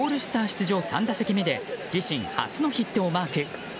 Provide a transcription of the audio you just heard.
出場３打席目で自身初のヒットをマーク。